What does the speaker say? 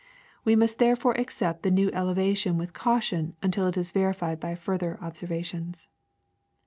We must therefore accept the new eleva tion with caution until it is verified by further observations.